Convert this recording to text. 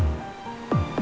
nggak ada yang ngejepit